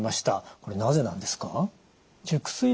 これなぜなんですか？